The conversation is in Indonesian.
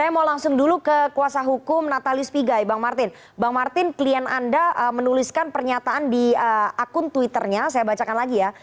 mereka menuliskan pernyataan di akun twitternya saya bacakan lagi ya